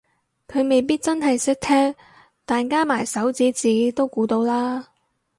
佢未必真係識聽但加埋手指指都估到啦